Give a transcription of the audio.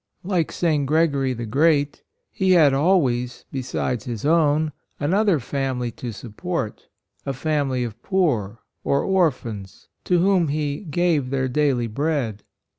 Like St. Gregory the Great, he had always, besides his own, another family to support, a family of poor, or or phans, to whom he " gave their daily bread."